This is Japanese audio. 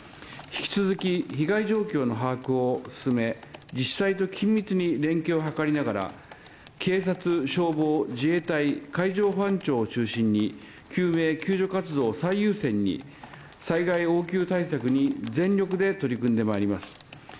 引き続き、被害状況の把握を進め、自治体と緊密に連携を図りながら警察、消防、自衛隊、海上保安庁を中心に救命・救助活動を最優先に、災害応急対策に全力で取り組んでまいります。